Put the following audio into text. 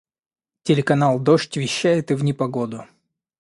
Телеканал "Дождь" вещает и в непогоду.